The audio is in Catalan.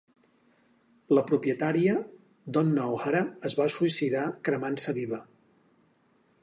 La propietària Donna O'Hara es va suïcidar cremant-se viva.